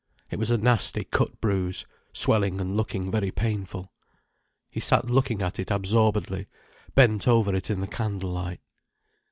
It was a nasty cut bruise, swelling and looking very painful. He sat looking at it absorbedly, bent over it in the candle light.